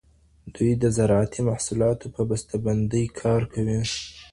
دوی د زراعتي محصولاتو په بسته بندۍ کار کوي.